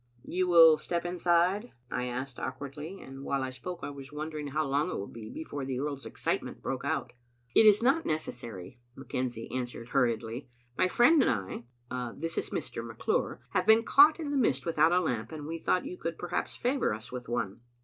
" You will step inside?" I asked awkwardly, and while I spoke I was wondering how long it would be before the earl's excitement broke out. "It is not necessary," McKenzie answered hurriedly. "My friend and I (this is Mr. McClure) have been caught in the mist without a lamp, and we thought you could perhaps favor us with one."